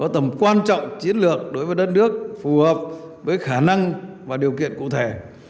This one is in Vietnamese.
tầm quan trọng chiến lược đối với đất nước phù hợp với khả năng và điều kiện cụ thể